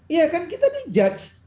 iya kan kita di judge